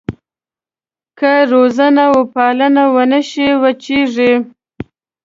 که روزنه وپالنه ونه شي وچېږي.